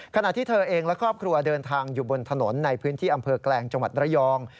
ขณะที่เธอเองและครอบครัวเดินทางอยู่บนถนนในพื้นที่อำเภอแกลงจังหวัดระยอง